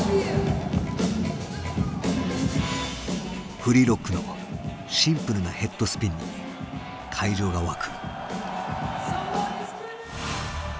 ＦＬＥＡＲＯＣＫのシンプルなヘッドスピンに会場が沸く。